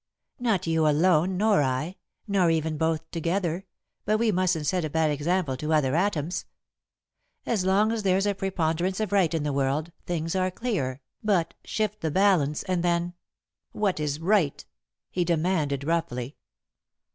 "Not you alone, nor I, nor even both together, but we mustn't set a bad example to other atoms. As long as there's a preponderance of right in the world, things are clear, but, shift the balance, and then " [Sidenote: What Is Right?] "What is right?" he demanded, roughly.